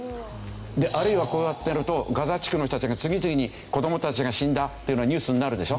であるいはこうやっているとガザ地区の人たちが次々に子どもたちが死んだっていうのはニュースになるでしょ？